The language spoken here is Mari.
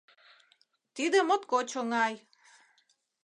Тиде моткоч оҥай.